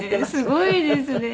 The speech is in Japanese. すごいですね。